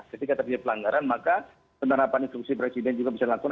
ketika terjadi pelanggaran maka penerapan instruksi presiden juga bisa dilakukan